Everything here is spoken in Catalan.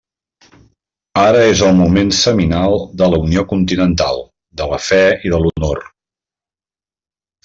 Ara és el moment seminal de la unió continental, de la fe i de l'honor.